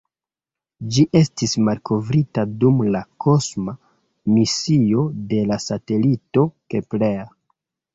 Ĝi estis malkovrita dum la kosma misio de la satelito Kepler.